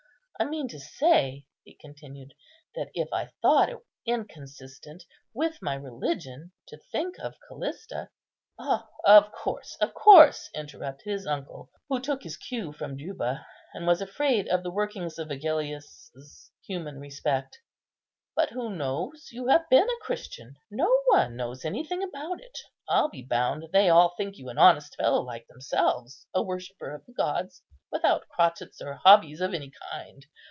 "I mean to say," he continued, "that if I thought it inconsistent with my religion to think of Callista—" "Of course, of course," interrupted his uncle, who took his cue from Juba, and was afraid of the workings of Agellius's human respect; "but who knows you have been a Christian? no one knows anything about it. I'll be bound they all think you an honest fellow like themselves, a worshipper of the gods, without crotchets or hobbies of any kind.